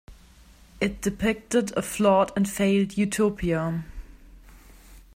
It depicted a flawed and failed utopia.